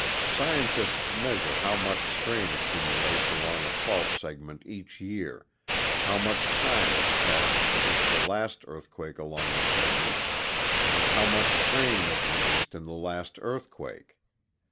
Scientists measure how much strain accumulates along a fault segment each year, how much time has passed since the last earthquake along the segment, and how much strain was released in the last earthquake.